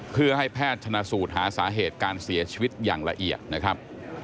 เพื่อให้แพทย์ชนะสูตรหาสาเหตุการเสียชีวิตอย่างละเอียดนะครับ